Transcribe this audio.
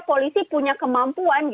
polisi punya kemampuan